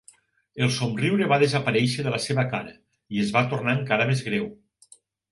El somriure va desaparèixer de la seva cara i es va tornar encara més greu.